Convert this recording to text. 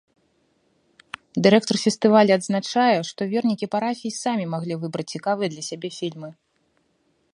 Дырэктар фестываля адзначае, што вернікі парафій самі маглі выбраць цікавыя для сябе фільмы.